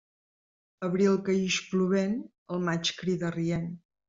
Abril que ix plovent, el maig crida rient.